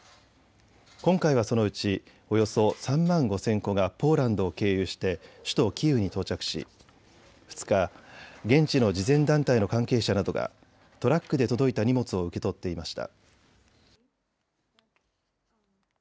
今回はそのうちおよそ３万５０００個がポーランドを経由して首都キーウに到着し２日、現地の慈善団体の関係者などがトラックで届いた荷物を受け取っていました。